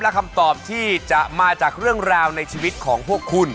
และคำตอบที่จะมาจากเรื่องราวในชีวิตของพวกคุณ